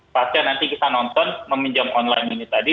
pas ya nanti kita nonton meminjam online ini tadi